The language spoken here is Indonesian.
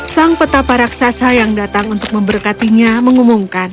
sang petapa raksasa yang datang untuk memberkatinya mengumumkan